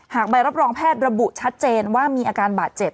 ใบรับรองแพทย์ระบุชัดเจนว่ามีอาการบาดเจ็บ